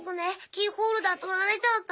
キーホルダー取られちゃった。